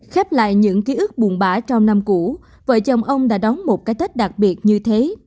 khép lại những ký ức buồn bã trong năm cũ vợ chồng ông đã đóng một cái tết đặc biệt như thế